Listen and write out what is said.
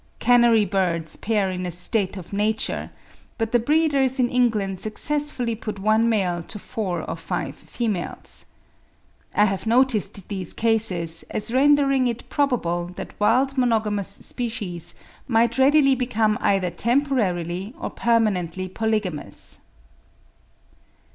Canary birds pair in a state of nature, but the breeders in England successfully put one male to four or five females. I have noticed these cases, as rendering it probable that wild monogamous species might readily become either temporarily or permanently polygamous.